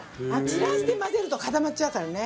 散らして混ぜると固まっちゃうからね。